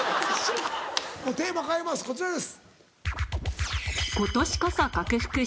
もうテーマ変えますこちらです。